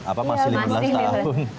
apa masih lima belas tahun